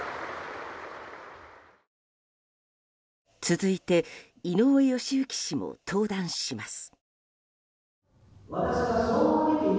続いて井上義行氏も登壇します。